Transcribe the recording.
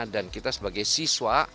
dan kita sebagai siswa